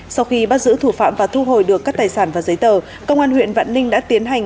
sau khi bắt giữ thủ phạm và thu hồi được các tài sản và giấy tờ công an huyện vạn ninh đã tiến hành